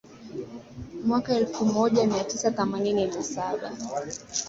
mwaka elfu moja mia tisa themanini na saba